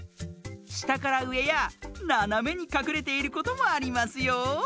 したからうえやななめにかくれていることもありますよ。